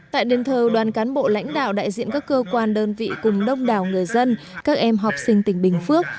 tại đền thờ đoàn cán bộ lãnh đạo đại diện các cơ quan đơn vị cùng đông đảo người dân các em học sinh tỉnh bình phước